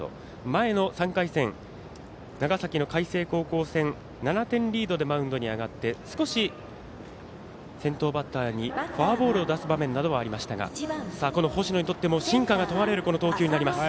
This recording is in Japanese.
前の３回戦長崎の海星高校戦７点リードでマウンドに上がって少し先頭バッターにフォアボールを出す場面などはありましたがこの星野にとっても真価が問われる投球になります。